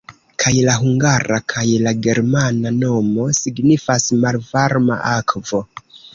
Kaj la hungara kaj la germana nomo signifas "malvarma akvo".